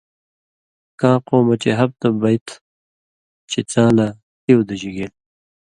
(کاں قومہ چے ہب دب بئ تھہ) چے څاں لا ہیُو دژی گېل۔